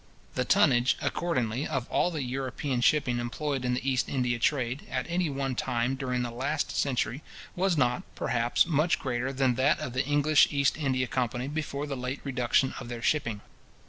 The tonnage, accordingly, of all the European shipping employed in the East India trade, at any one time during the last century, was not, perhaps, much greater than that of the English East India company before the late reduction of their shipping.